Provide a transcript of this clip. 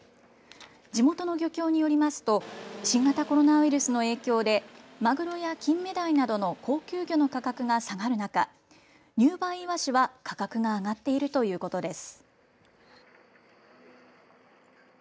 地元の漁協によりますと新型コロナウイルスの影響でマグロやキンメダイなどの高級魚の価格が下がる中、入梅いわしは価格が上がっているということです。